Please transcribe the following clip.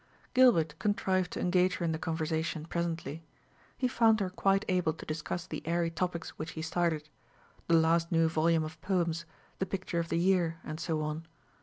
Gilbert contrived to engage her in the conversation presently. He found her quite able to discuss the airy topics which he started the last new volume of poems, the picture of the year, and so on.